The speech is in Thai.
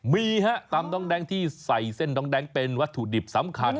มีฮะตำน้องแดงที่ใส่เส้นน้องแดงเป็นวัตถุดิบสำคัญ